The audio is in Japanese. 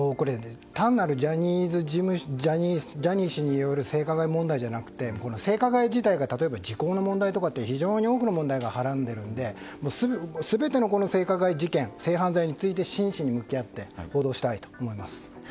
単なるジャニー氏による性加害問題ではなくて性加害自体が時効の問題とかって非常に多くの問題をはらんでいるので全ての性加害事件性犯罪について真摯に向き合って報道したいと思います。